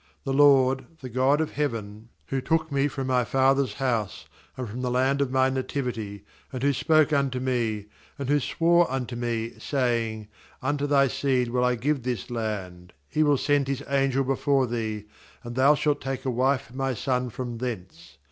^The LORD, the God of heaven, who took me from my father's house, and from the land of my nativity, and who spoke unto me, and who swore unto me, saying: Unto thy seed will I give this land; He will send His angel before thee, and thou shalt take a wife for my son from thence.